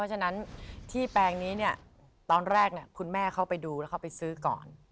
ฟังตรงนี้ตอนแรกคุณแม่เข้าไปดูและเข้าไปซื้อก่อน